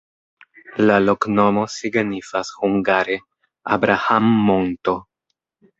La loknomo signifas hungare: Abraham-monto.